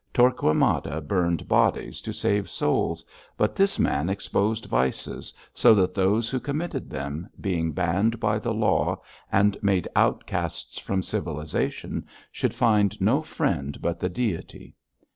Torquemada burned bodies to save souls, but this man exposed vices, so that those who committed them, being banned by the law, and made outcasts from civilisation, should find no friend but the Deity.